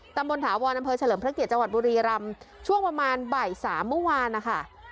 ตำบลถาวรอำเภอเฉลิมพระเกียรติจังหวัดบุรีรำช่วงประมาณบ่ายสามเมื่อวานนะคะ